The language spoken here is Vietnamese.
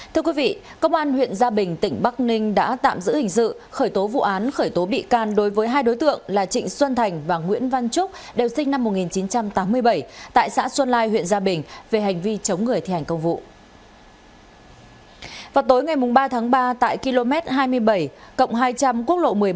thưa quý vị công an huyện gia bình tỉnh bắc ninh đã tạm giữ hình sự khởi tố vụ án khởi tố bị can đối với hai đối tượng là trịnh xuân thành và nguyễn văn trúc đều sinh năm một nghìn chín trăm tám mươi bảy tại xã xuân lai huyện gia bình về hành vi chống người thi hành công vụ